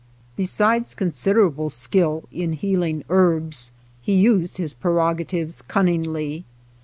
Besides considerable skill in healing herbs, he used his prerogatives cunningly.